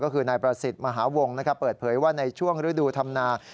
ก็คือนายประสิทธิ์มหาวงศ์เปิดเผยว่าในช่วงฤดูธรรมนา